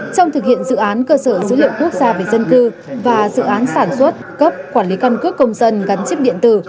trong thực hiện dự án cơ sở dữ liệu quốc gia về dân cư và dự án sản xuất cấp quản lý căn cước công dân gắn chip điện tử